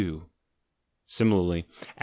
Similarly, Aph.